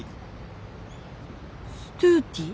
ストゥーティー。